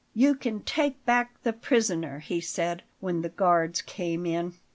"You can take back the prisoner," he said when the guards came in.